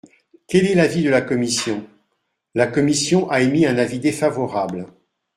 Quel est l’avis de la commission ? La commission a émis un avis défavorable.